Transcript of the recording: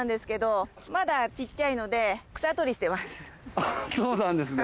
あっそうなんですね。